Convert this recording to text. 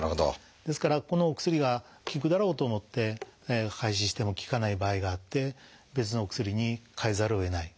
ですからこのお薬が効くだろうと思って開始しても効かない場合があって別のお薬に替えざるをえない。